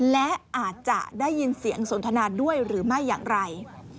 และอาจจะได้ยินเสียงสนทนาด้วยหรือไม่อย่างไร